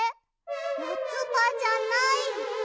よつばじゃない！